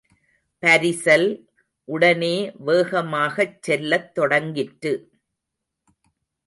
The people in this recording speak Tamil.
பரிசல் உடனே வேகமாகச் செல்லத் தொடங்கிற்று.